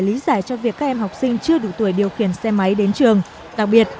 lý giải cho việc các em học sinh chưa đủ tuổi điều khiển xe máy đến trường đặc biệt